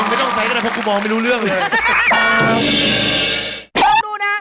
มันไม่ต้องใช้แล้วแนะเพราะบอกไม่รู้เรื่องเลย